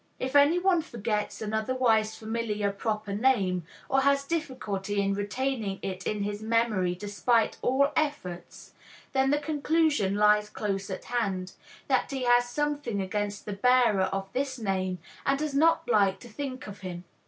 If anyone forgets an otherwise familiar proper name, or has difficulty in retaining it in his memory despite all efforts, then the conclusion lies close at hand, that he has something against the bearer of this name and does not like to think of him.